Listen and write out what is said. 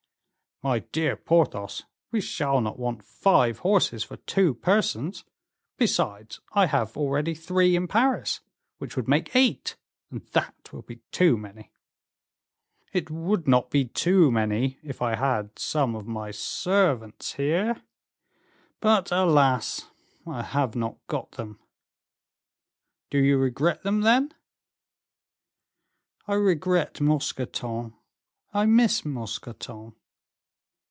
"My dear Porthos, we shall not want five horses for two persons; besides, I have already three in Paris, which would make eight, and that will be too many." "It would not be too many if I had some of my servants here; but, alas! I have not got them." "Do you regret them, then?" "I regret Mousqueton; I miss Mousqueton."